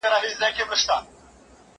نو پيدا يې كړه پيشو توره چالاكه